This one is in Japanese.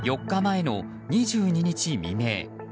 ４日前の２２日未明。